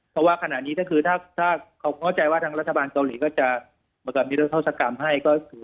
เพราะว่าขนาดนี้ถ้าเขาเข้าใจว่าทางรัฐบาลเกาหลีก็จะมากับนี้แล้วเท่าสกรรมให้